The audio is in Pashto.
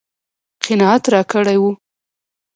قناعت راکړی و.